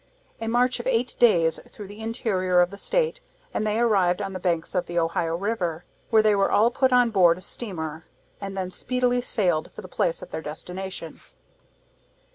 A march of eight days through the interior of the state, and they arrived on the banks of the Ohio river, where they were all put on board a steamer, and then speedily sailed for the place of their destination.